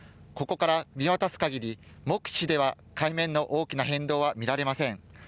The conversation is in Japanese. ここから見渡すかぎり、目視では海面の大きな変動は見当たりません。